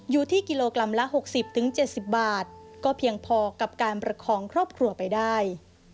อยู่ที่กิโลกรัมละ๖๐๗๐บาทก็เพียงพอกับการประคองครอบครัวไปได้